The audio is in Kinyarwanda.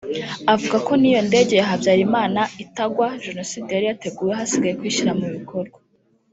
avuga ko n’iyo indege ya Habyarimana itagwa Jenoside yari yateguwe hasigaye kuyishyira mu bikorwa